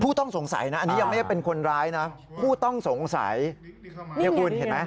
ต้องสงสัยนะอันนี้ยังไม่ได้เป็นคนร้ายนะผู้ต้องสงสัยเนี่ยคุณเห็นไหม